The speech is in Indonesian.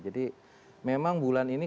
jadi memang bulan ini